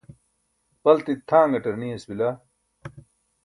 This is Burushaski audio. baltit tʰaṅatar niyas bila